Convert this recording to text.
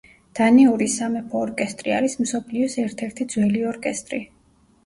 დანიური სამეფო ორკესტრი არის მსოფლიოს ერთ-ერთი ძველი ორკესტრი.